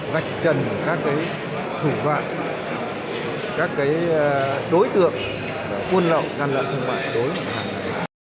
gạch chân các thủ vạn các đối tượng quân lậu gian lợi thủ mạng đối với hà nội